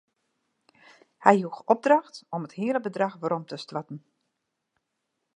Hy joech opdracht om it hiele bedrach werom te stoarten.